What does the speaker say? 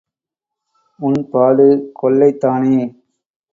உன் பாடு கொள்ளைதானே?